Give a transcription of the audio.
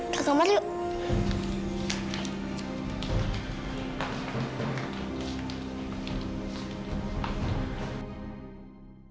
kakak mari yuk